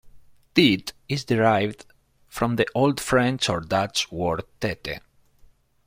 Teat is derived from the Old French or Dutch word, "tete".